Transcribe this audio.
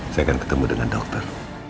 saya akan ketemu dengan dokter